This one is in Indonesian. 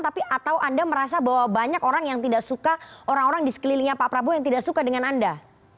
tapi atau anda merasa bahwa banyak orang yang tidak suka orang orang di sekelilingnya pak prabowo yang tidak suka dengan anda